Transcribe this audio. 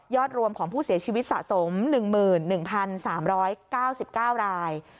รวมของผู้เสียชีวิตสะสม๑๑๓๙๙ราย